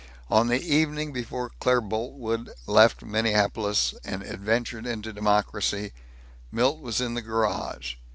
On the evening before Claire Boltwood left Minneapolis and adventured into democracy, Milt was in the garage.